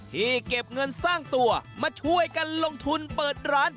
ที่เก็บเงินสร้างตัวมาช่วยกันลงทุนเปิดร้าน